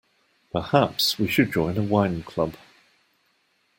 Perhaps we should join a wine club.